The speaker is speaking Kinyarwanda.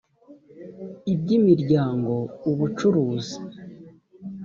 iby imiryango ubucuruzi